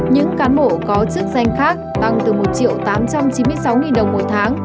những cán bộ có chức danh khác tăng từ một triệu tám trăm chín mươi sáu đồng một tháng